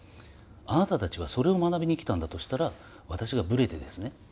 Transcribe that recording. あなたたちはそれを学びに来たんだとしたら私がブレてですね